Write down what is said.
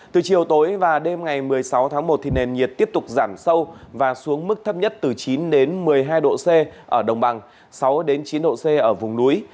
từ chiều tối và đêm ngày một mươi sáu tháng một nền nhiệt tiếp tục giảm sâu và xuống mức thấp nhất từ chín một mươi hai độ c ở đồng bằng sáu chín độ c ở vùng núi